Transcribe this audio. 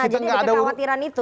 jadi ada kekhawatiran itu